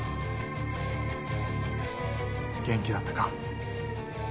元気だったか？